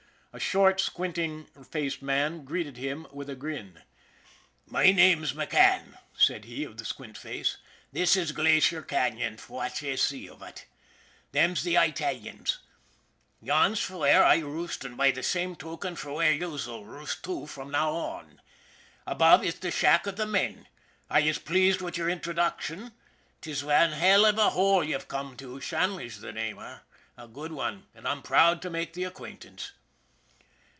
A short, squint faced man greeted him with a grin. " Me name's McCann," said he of the squint face. :( This is Glacier Canon, fwhat yez see av ut. Them's the Eyetalians. Yon's fwhere I roost an' by the same token, fwhere yez'll roost, too, from now on. Above is the shack av the men. Are yez plased wid yer in troduction? 'Tis wan hell av a hole ye've come to. Shanley's the name, eh ? A good wan, an' I'm proud to make the acquaintance."